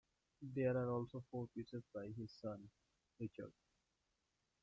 There are also four pieces by his son, Richard.